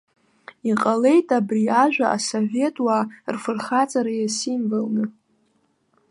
Иҟалеит абри ажәа асовет уаа рфырхаҵара иасимволны.